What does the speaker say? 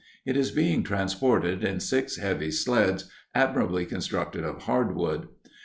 It is being transported on six heavy sleds admirably constructed of hardwood.